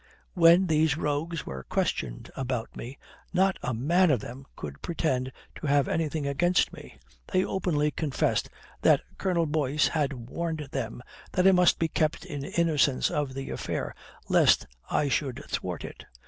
"When these rogues were questioned about me, not a man of them could pretend to have anything against me. They openly confessed that Colonel Boyce had warned them that I must be kept in innocence of the affair lest I should thwart it.